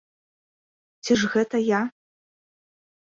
Ці ж гэта я?!